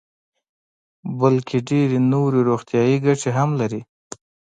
بلکې ډېرې نورې روغتیايي ګټې هم لري.